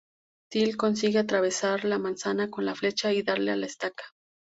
Tell consigue atravesar la manzana con la flecha y darle a la estaca.